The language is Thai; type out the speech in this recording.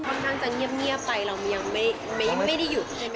ค่อนข้างจะเงียบไปเรายังไม่ได้หยุดใช่ไหมค